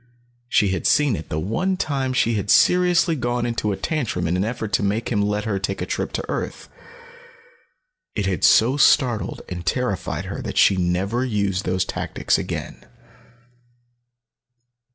She had seen it the one time she had seriously gone into a tantrum in an effort to make him let her take a trip to earth. It had so startled and terrified her that she had never used those tactics again.